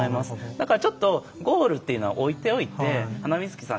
だから、ゴールっていうのは置いておいてハナミズキさん